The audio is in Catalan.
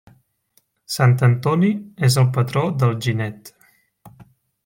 Sant Antoni és el patró d'Alginet.